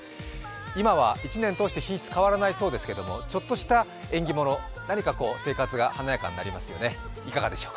今は１年を通して品質は変わらないそうですけれどもちょっとした縁起物何か生活が華やかになりますよね。